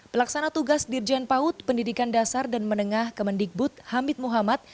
pelaksana tugas dirjen paut pendidikan dasar dan menengah kemendikbud hamid muhammad